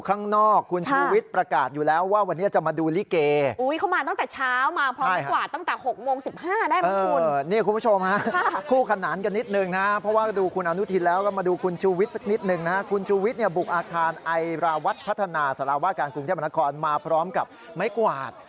อันนี้เป็นสิ่งที่สำคัญกว่า